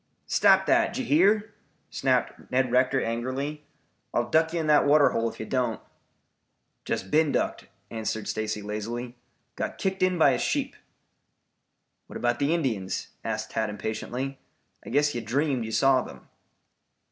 "Stop that, d'ye hear!" snapped Ned Rector angrily. "I'll duck you in that water hole, if you don't." "Just been ducked," answered Stacy lazily. "Got kicked in by a sheep." "What about the Indians?" asked Tad impatiently. "I guess you dreamed you saw them."